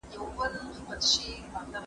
دی اوس پوهېږي چې هر خاموشي یو ځانګړی اواز لري.